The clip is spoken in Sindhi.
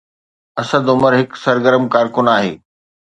اسد عمر هڪ سرگرم ڪارڪن آهي.